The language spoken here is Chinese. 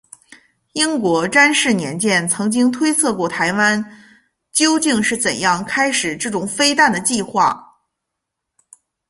英国詹氏年鉴曾经推测过台湾究竟是怎么开始这种飞弹的计划。